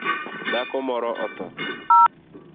Dhako moro otho